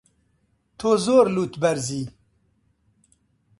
تۆ زۆر لووتبەرزی.